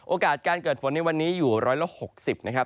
โอกาสการเกิดฝนในวันนี้อยู่๑๖๐นะครับ